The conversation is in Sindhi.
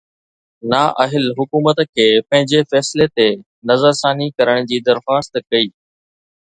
نااهل حڪومت کي پنهنجي فيصلي تي نظرثاني ڪرڻ جي درخواست ڪئي